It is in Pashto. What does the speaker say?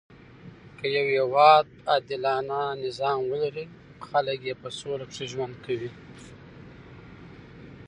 که يو هیواد عادلانه نظام ولري؛ خلک ئې په سوله کښي ژوند کوي.